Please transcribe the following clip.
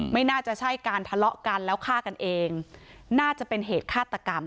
ไม่น่าจะใช่การทะเลาะกันแล้วฆ่ากันเองน่าจะเป็นเหตุฆาตกรรม